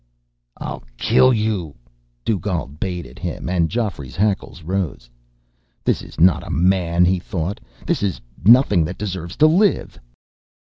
"I'll kill you!" Dugald bayed at him, and Geoffrey's hackles rose. This is not a man, he thought. This is nothing that deserves to live.